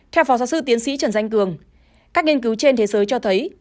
theo phó giáo sư tiến sĩ trần danh cường các nghiên cứu trên thế giới cho thấy